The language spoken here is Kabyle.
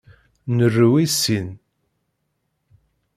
Nru i sin.